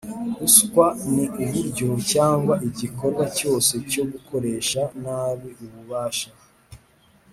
ruswa ni uburyo cyangwa igikorwa cyose cyo gukoresha nabi ububasha